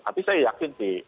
tapi saya yakin sih